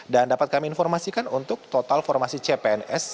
dapat kami informasikan untuk total formasi cpns